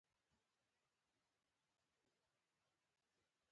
اکبرجان او عثمان جان باچا دواړه د ملک سیدلال کور ته روان شول.